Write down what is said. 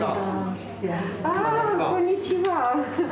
こんにちは。